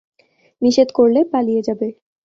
নিষেধ করলে, পালিয়ে যাবে।